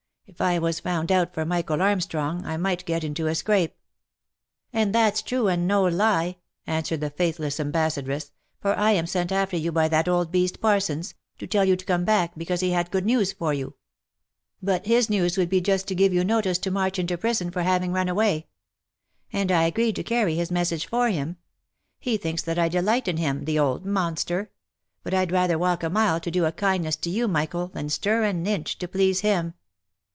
If I was found out for Michael Armstrong, I might get into a scrape." " And that's true, and no lie," answered the faithless ambassadress, " for I am sent after you by that old beast Parsons, to tell you to come back, because he had good news for you. But his news would just %„ //ssis ^z&ay speedy //<"y/ } s!fc{?, ^# ^6ce v&u / OF MICHAEL ARMSTRONG. 311 be to give you notice to march into prison for having run away ; and I agreed to carry his message for him. He thinks that I delight in him, the old monster ! but I'd rather walk a mile to do a kindness to you Michael, than stir an inch, to please him."